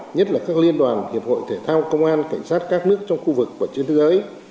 nhất là các liên đoàn hiệp hội thể thao công an cảnh sát các nước trong khu vực và trên thế giới